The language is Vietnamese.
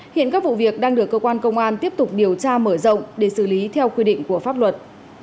hiện các vụ việc đang được cơ quan công an tiếp tục điều tra mở rộng để xử lý theo quy định của pháp luật